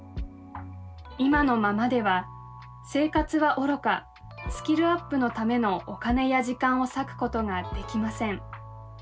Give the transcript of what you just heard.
今のままでは生活はおろかスキルアップのためのお金や時間を割くことができません。